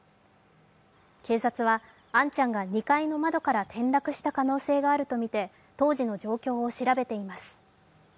警察は、杏ちゃんが２階の窓から転落した可能性があるとみて、当時の状況を調べています。